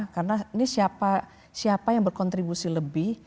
karena ini siapa yang berkontribusi lebih